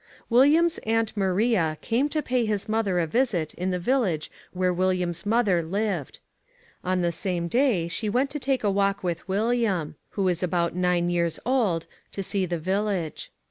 William's aunt Maria came to pay his mother a visit in the village where William's mother lived. On the same day she went to take a walk with William who is about nine years old to see the village.